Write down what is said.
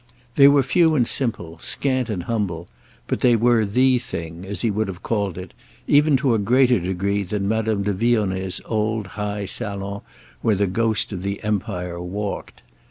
They were few and simple, scant and humble, but they were the thing, as he would have called it, even to a greater degree than Madame de Vionnet's old high salon where the ghost of the Empire walked.